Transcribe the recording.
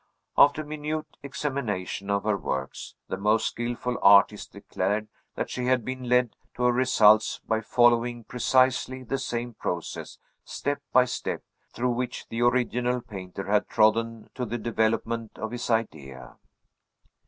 After minute examination of her works, the most skilful artists declared that she had been led to her results by following precisely the same process step by step through which the original painter had trodden to the development of his idea.